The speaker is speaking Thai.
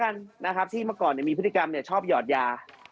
มีคนนึงแล้วกันนะครับที่เมื่อก่อนมีพฤติกรรมชอบหยอดยา